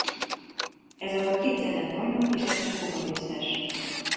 Ezalatt kétszer lett bajnok és egyszer kupagyőztes.